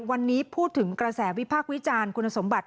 วันนี้พูดถึงกระแสวิพากษ์วิจารณ์คุณสมบัติ